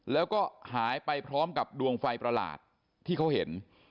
แล้วก็หายไปพร้อมกับดวงไฟประหลาดที่เขาเห็น